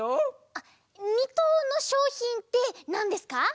あっ２とうのしょうひんってなんですか？